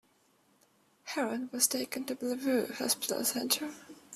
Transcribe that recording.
Harron was taken to Bellevue Hospital Center.